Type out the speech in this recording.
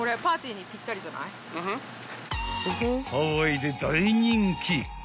［ハワイで大人気］